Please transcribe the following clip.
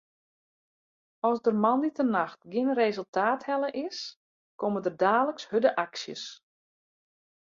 As der moandeitenacht gjin resultaat helle is, komme der daliks hurde aksjes.